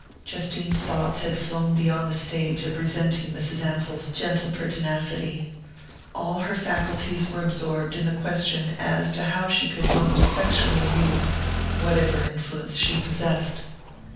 Justine's thoughts had flown beyond the stage of resenting Mrs. Ansell's gentle pertinacity. All her faculties were absorbed in the question as to how she could most effectually use whatever influence she possessed.